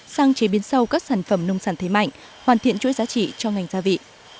sang chế biến sâu các sản phẩm nông sản thế mạnh hoàn thiện chuỗi giá trị cho ngành gia vị